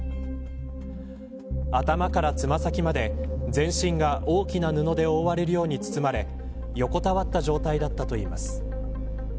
頭から爪先まで全身が大きな布で覆われるように包まれ横たわった状態だったといいます。